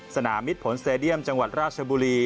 สนามมิดผลสเตดียมจังหวัดราชบุรี